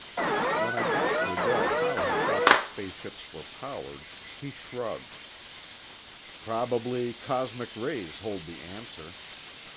When I asked Redell how he thought the space ships were powered, he shrugged. "Probably cosmic rays hold the answer.